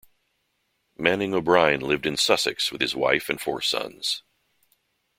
Manning O'Brine lived in Sussex with his wife and four sons.